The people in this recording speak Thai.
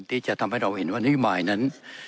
ที่จะทำให้เราเห็นว่านโยบายนั้น